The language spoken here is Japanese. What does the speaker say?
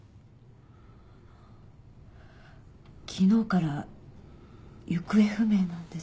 昨日から行方不明なんです。